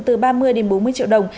từ ba mươi bốn mươi triệu đồng